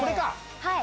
はい。